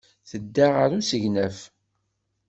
Tedda ɣer usegnaf.